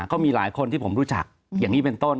ก็มีหลายคนที่ผมรู้จักอย่างนี้เป็นต้น